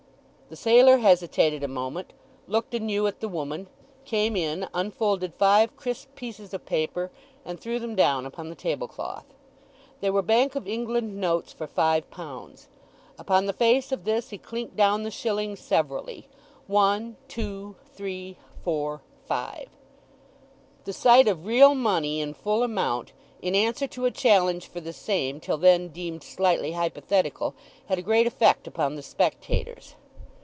The sailor hesitated a moment, looked anew at the woman, came in, unfolded five crisp pieces of paper, and threw them down upon the tablecloth. They were Bank of England notes for five pounds. Upon the face of this he clinked down the shillings severally—one, two, three, four, five. The sight of real money in full amount, in answer to a challenge for the same till then deemed slightly hypothetical had a great effect upon the spectators.